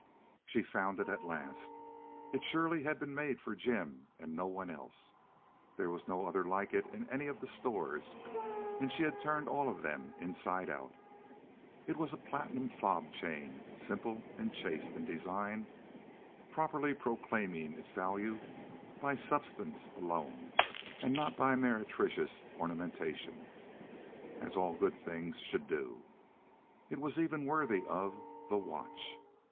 She found it at last. It surely had been made for Jim and no one else. There was no other like it in any of the stores, and she had turned all of them inside out. It was a platinum fob chain simple and chaste in design, properly proclaiming its value by substance alone and not by meretricious ornamentation—as all good things should do. It was even worthy of The Watch.